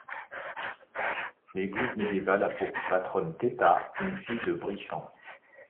L'église médiévale a pour patronne Tetha, une fille de Brychan.